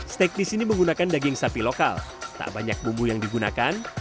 steak di sini menggunakan daging sapi lokal tak banyak bumbu yang digunakan